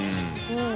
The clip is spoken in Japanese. うん。